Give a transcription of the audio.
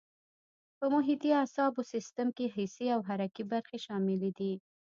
په محیطي اعصابو سیستم کې حسي او حرکي برخې شاملې دي.